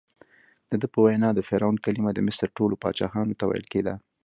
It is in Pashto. دده په وینا د فرعون کلمه د مصر ټولو پاچاهانو ته ویل کېده.